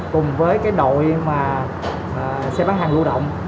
cùng với đội xe bán hàng lũ động